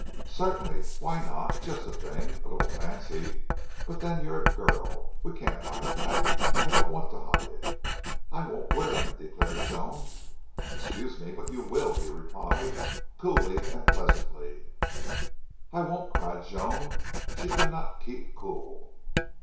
"Certainly. Why not? Just the thing. A little fancy, but then you're a girl. We can't hide that. I don't want to hide it." "I won't wear them," declared Joan. "Excuse me but you will," he replied, coolly and pleasantly. "I won't!" cried Joan. She could not keep cool.